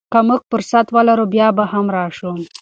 که موږ فرصت ولرو، بیا به هم راشو.